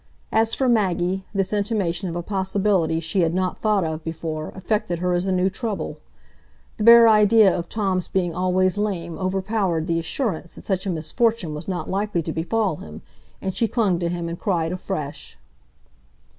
As for Maggie, this intimation of a possibility she had not thought of before affected her as a new trouble; the bare idea of Tom's being always lame overpowered the assurance that such a misfortune was not likely to befall him, and she clung to him and cried afresh.